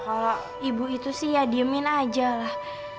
kalau ibu itu sih ya diemin aja lah